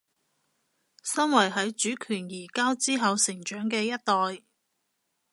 身為喺主權移交之後成長嘅一代